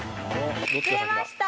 釣れました。